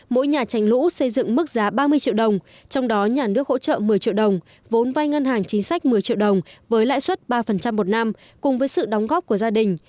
mỗi nhà tránh lũ xây dựng mức giá ba mươi triệu đồng trong đó nhà nước hỗ trợ một mươi triệu đồng vốn vai ngân hàng chính sách một mươi triệu đồng với lãi suất ba một năm cùng với sự đóng góp của gia đình